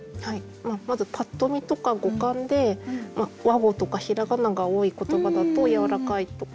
まずパッと見とか語感で和語とか平仮名が多い言葉だとやわらかいとか。